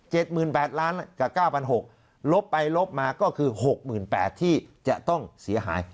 หมื่นแปดล้านกับเก้าพันหกลบไปลบมาก็คือหกหมื่นแปดที่จะต้องเสียหาย